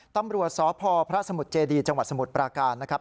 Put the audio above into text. ตำรวจสพพระสมุทรเจดีจังหวัดสมุทรปราการนะครับ